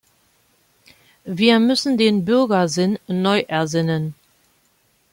Wir müssen den Bürgersinn neu ersinnen.